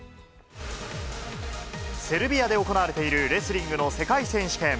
セルビアで行われているレスリングの世界選手権。